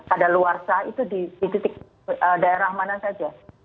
ada luar sah itu di titik daerah mana saja